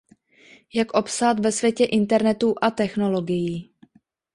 jak obstát ve světě Internetu a technologií